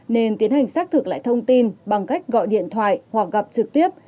nên tiến hành xác thực lại thông tin bằng cách gọi điện thoại hoặc gặp trực tiếp